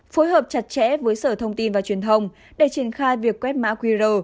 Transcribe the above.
phối hợp chặt chẽ với sở thông tin và truyền thông để triển khai việc quét mã qr